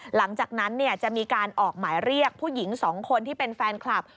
หลังจากนั้นจะมีการออกหมายเรียกผู้หญิง๒คนที่เป็นแฟนคลับ